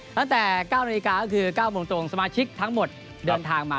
ตั้งแต่๙นาฬิกาก็คือ๙โมงตรงสมาชิกทั้งหมดเดินทางมา